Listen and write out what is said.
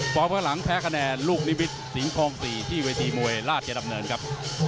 ข้างหลังแพ้คะแนนลูกนิมิตรสิงคลอง๔ที่เวทีมวยราชดำเนินครับ